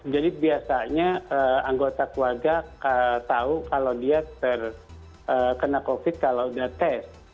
jadi biasanya anggota keluarga tahu kalau dia terkena covid kalau sudah tes